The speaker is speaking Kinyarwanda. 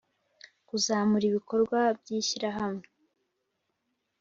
kuzamura ibikorwa by ishyirahamwe